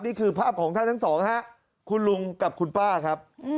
นี่คือภาพของท่านทั้งสองฮะคุณลุงกับคุณป้าครับ